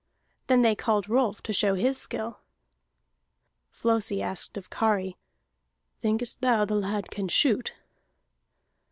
Then they called Rolf to show his skill. Flosi asked of Kari: "Thinkest thou the lad can shoot?"